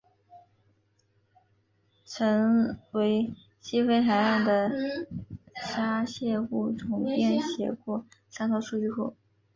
曾为西非海岸的虾蟹物种编写过三套数据库。